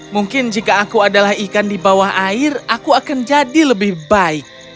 mungkin jika aku adalah ikan di bawah air aku akan jadi lebih baik